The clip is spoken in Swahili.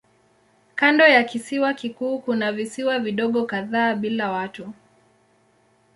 Kando ya kisiwa kikuu kuna visiwa vidogo kadhaa bila watu.